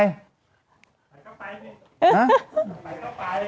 ไอ้ดมใช่เผยกันไปสิ